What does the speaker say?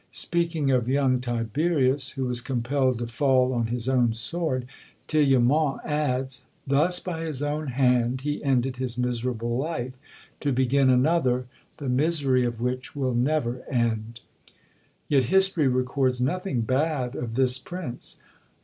Speaking of young Tiberius, who was compelled to fall on his own sword, Tillemont adds, "Thus by his own hand he ended his miserable life, to begin another, the misery of which will never end!" Yet history records nothing bad of this prince.